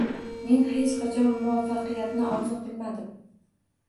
Men hech qachon muvaffaqiyatni orzu qilmadim